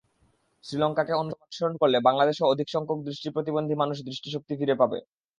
শ্রীলঙ্কাকে অনুসরণ করলে বাংলাদেশেও অধিকসংখ্যক দৃষ্টিপ্রতিবন্ধী মানুষ দৃষ্টিশক্তি ফিরে পেতে পারে।